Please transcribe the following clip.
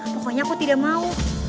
pokoknya aku tidak mau